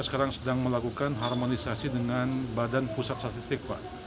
sekarang sedang melakukan harmonisasi dengan badan pusat statistik pak